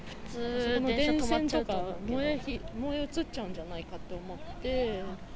電線とか、燃え移っちゃうんじゃないかと思って。